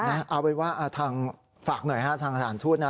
เอาเป็นว่าทางฝากหน่อยฮะทางสถานทูตนะ